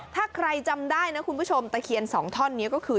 ถ้าใครจำได้นะคุณผู้ชมตะเคียนสองท่อนนี้ก็คือ